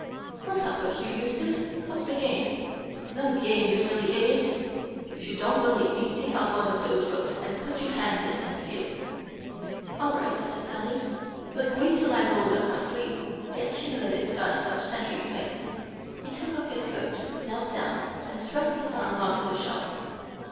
"What's up with you, Eustace? What's the game?" "It's no game, you silly idiot! If you don't believe me take out one of those books and put your hand in and feel." "All right," said Saunders; "but wait till I've rolled up my sleeve. The accumulated dust of centuries, eh?" He took off his coat, knelt down, and thrust his arm along the shelf.